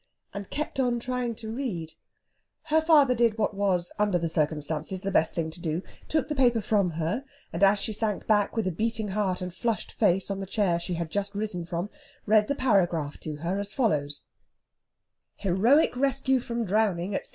And kept on trying to read. Her father did what was, under the circumstances, the best thing to do took the paper from her, and as she sank back with a beating heart and flushed face on the chair she had just risen from read the paragraph to her as follows: "HEROIC RESCUE FROM DROWNING AT ST.